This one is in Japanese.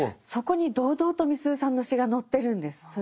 そこに堂々とみすゞさんの詩が載ってるんです。